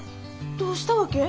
どうしたわけ？